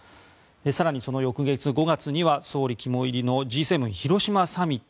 更にその翌月、５月には総理肝煎りのＧ７広島サミット。